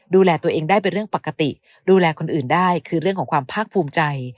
ดูแลตัวเองได้เป็นเรื่องปกติดูแลคนอื่นได้คือเรื่องของความภาคภูมิใจ